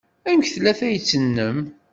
Amek tella tayet-nnem?